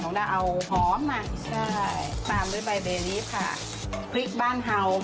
ต้องได้เอาหอมมาใช่ตามด้วยใบเบรนด์นี้ค่ะพริกบ้านเฮาส์